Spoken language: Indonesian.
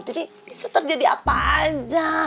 jadi bisa terjadi apa aja